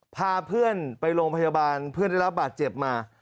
พาเพื่อนไปโรงพยาบาลเพื่อนได้รับบาดเจ็บมา